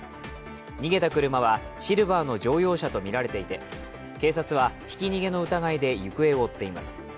逃げた車はシルバーの乗用車とみられていて、警察はひき逃げの疑いで行方を追っています。